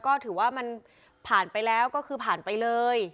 ก็ถือว่ามันผ่านไปแล้วก็คือผ่านไปเลย